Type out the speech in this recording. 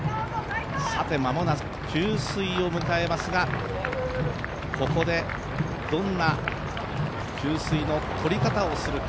間もなく給水を迎えますが、ここでどんな給水の取り方をするか。